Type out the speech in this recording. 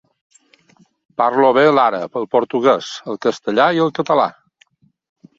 Parlo bé l'àrab, el portuguès, el castellà i el català.